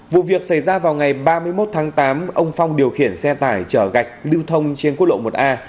vụ việc xảy ra vào ngày ba mươi một tháng tám ông phong điều khiển xe tải chở gạch lưu thông trên quốc lộ một a